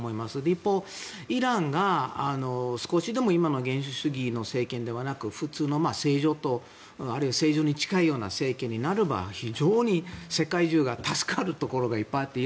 一方、イランが少しでも今の主義の政権ではなく普通の政情とあるいは政情に近いような政権になる場合非常に世界中が助かるところがいっぱいあって。